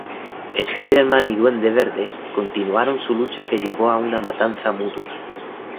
Spider-Man y Duende Verde continuaron su lucha que llevó a una matanza mutua.